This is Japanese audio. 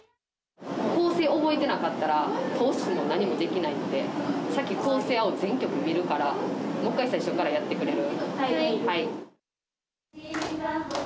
構成覚えてなかったら、通しも何もできないので、先、構成を全曲見るから、もっかい最初からやってくれる？